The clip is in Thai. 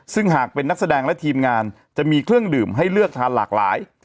ซึ่งหากเป็นนักแสดงและทีมงานจะมีเครื่องดื่มให้เลือกทานหลากหลาย